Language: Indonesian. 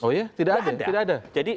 oh iya tidak ada